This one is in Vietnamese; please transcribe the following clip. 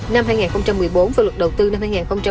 năm hai nghìn một mươi bốn và luật đầu tư năm hai nghìn một mươi